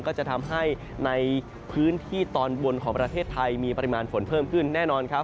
ก็จะทำให้ในพื้นที่ตอนบนของประเทศไทยมีปริมาณฝนเพิ่มขึ้นแน่นอนครับ